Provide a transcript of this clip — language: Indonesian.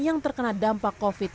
yang terkena dampak covid sembilan belas